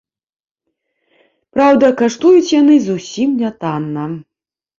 Праўда, каштуюць яны зусім нятанна.